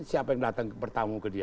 siapa yang datang bertamu ke dia